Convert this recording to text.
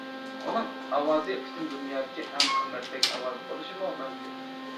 ئۇنىڭ ئاۋازى پۈتۈن دۇنيادىكى ئەڭ قىممەتلىك ئاۋاز بولۇشىمۇ مۇمكىن.